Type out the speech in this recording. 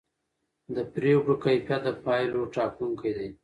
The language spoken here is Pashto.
د پرېکړو کیفیت د پایلو ټاکونکی دی